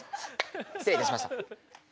失礼いたしました。